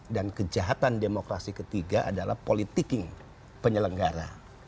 dan kejahatan demokrasi ketiga adalah politiking penyelenggara